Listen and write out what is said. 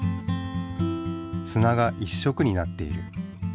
すなが１色になっている。